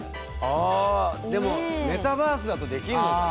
あでもメタバースだとできるのかな？